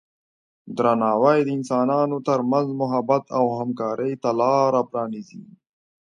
درناوی د انسانانو ترمنځ محبت او همکارۍ ته لاره پرانیزي.